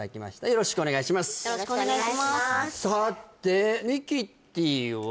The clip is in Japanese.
よろしくお願いします